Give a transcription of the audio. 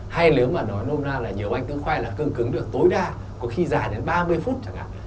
hay nếu mà nói nôn na là nhiều anh tướng khoai là cương cứng được tối đa có khi dài đến ba mươi phút chẳng hạn